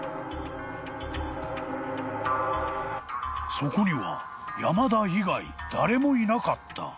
［そこには山田以外誰もいなかった］